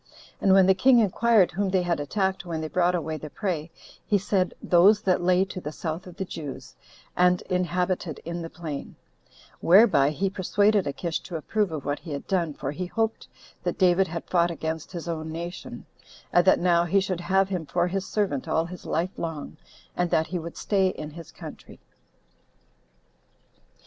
And when the king inquired whom they had attacked when they brought away the prey, he said, those that lay to the south of the Jews, and inhabited in the plain; whereby he persuaded Achish to approve of what he had done, for he hoped that David had fought against his own nation, and that now he should have him for his servant all his life long, and that he would stay in his country.